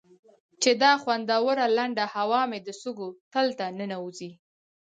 چې دا خوندوره لنده هوا مې د سږو تل ته ننوځي.